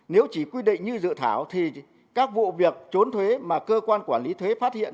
nếu chỉ quy định như dự thảo thì các vụ việc trốn thuế mà cơ quan quản lý thuế phát hiện